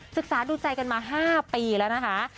ศึกษาดูใจกันมา๕ปีแล้วนะคะ